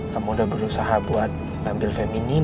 kamu udah berusaha buat ngambil feminin